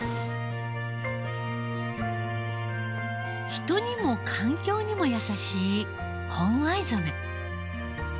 人にも環境にも優しい本藍染。